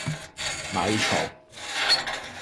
咪嘈